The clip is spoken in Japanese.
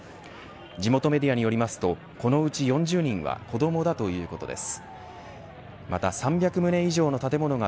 地元メディアによりますとこのうち４０人は子どもだということです。